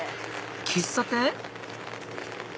喫茶店？